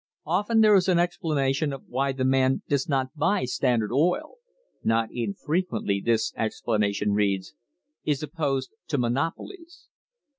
Often there is an explanation of why the man does not buy Standard oil not CUTTING TO KILL infrequently this explanation reads: "Is opposed to monop olies."